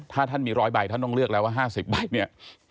ถ้าท่านมี๑๐๐ใบท่านต้องเลือกแล้วว่า๕๐ใบเนี่ย